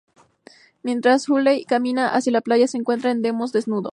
Mientras Hurley camina hacia a la playa se encuentra con Desmond desnudo.